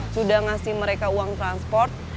sudah ngasih mereka uang transport